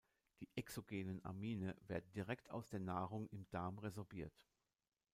Die exogenen Amine werden direkt aus der Nahrung im Darm resorbiert.